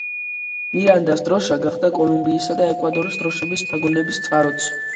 მირანდას დროშა გახდა კოლუმბიისა და ეკვადორის დროშების შთაგონების წყაროც.